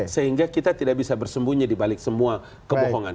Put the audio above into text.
sehingga kita tidak bisa bersembunyi dibalik semua kebohongan